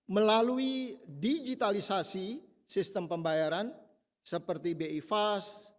melalui digitalisasi sistem pembayaran seperti bi fast